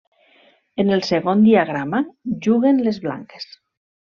En el segon diagrama, juguen les blanques.